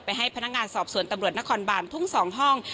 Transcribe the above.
ให้พนักงานสอบสวนตำรวจนครบานทุ่ง๒ห้อง